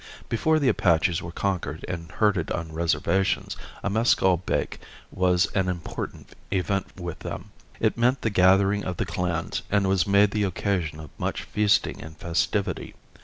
Before the Apaches were conquered and herded on reservations a mescal bake was an important event with them. It meant the gathering of the clans and was made the occasion of much feasting and festivity.